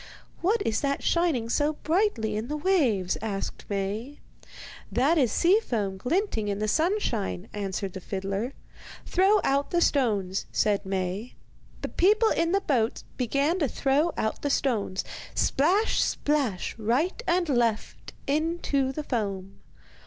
'What is that shining so brightly in the waves?' asked Maie. 'That is sea foam glinting in the sunshine,' answered the fiddler. 'Throw out the stones,' said Maie. The people in the boat began to throw out the stones, splash, splash, right and left, into the foam.